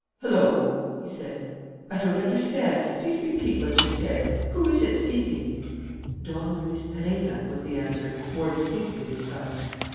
"Hullo!" he said. "I don't understand. Please repeat what you said. Who is it speaking?" "Don Luis Perenna," was the answer, more distinctly this time.